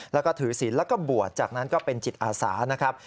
แล้วก็ถือศิลป์แล้วก็บวชจากนั้นก็เป็นจิตอาสานะครับ